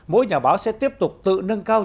mỗi nhà báo sẽ tiếp tục tự nâng cao